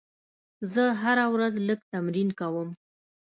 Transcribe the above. زه هره ورځ لږ تمرین کوم.